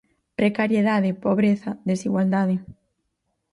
Precariedade, pobreza, desigualdade...